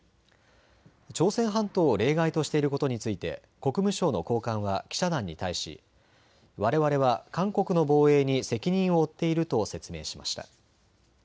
朝鮮半島を例外としていることについて国務省の高官は記者団に対し、われわれは韓国の防衛に責任を負っていると説明しました。